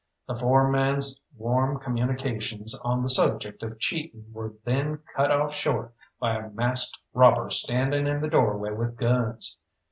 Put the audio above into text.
The foreman's warm communications on the subject of cheating were then cut off short by a masked robber standing in the doorway with guns.